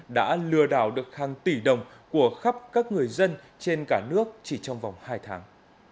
đã lừa đảo được hàng tỷ đồng của khắp các người dân trên cả nước chỉ trong vòng hai tháng